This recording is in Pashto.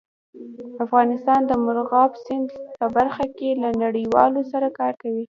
افغانستان د مورغاب سیند په برخه کې له نړیوالو سره کار کوي.